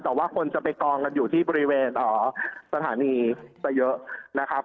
แต่ว่าคนจะไปกองกันอยู่ที่บริเวณสถานีจะเยอะนะครับ